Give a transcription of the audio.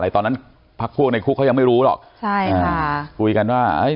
ตอนนั้นพักพวกในคุกเขายังไม่รู้หรอกใช่ค่ะคุยกันว่าเอ้ย